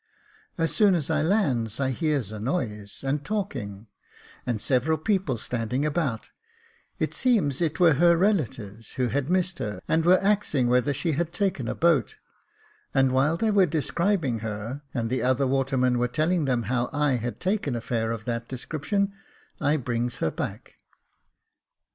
As soon as I lands I hears a noise and talking, and several people standing about ; it seems it were her relatives, who had missed her, and were axing whether she had taken a boat ; and while they were describing her, and the other watermen were telling them how I had taken a fare of that description, I brings her back.